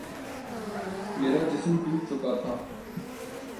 میرا جسم ٹوٹ چکا تھا